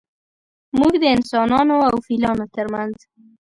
موږ د انسانانو او فیلانو ترمنځ